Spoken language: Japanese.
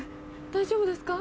大丈夫ですか？